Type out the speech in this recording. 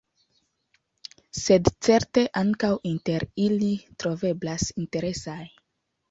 Sed, certe, ankaŭ inter ili troveblas interesaj.